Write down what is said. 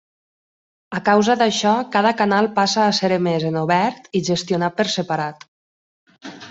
A causa d'això cada canal passa a ser emès en obert i gestionat per separat.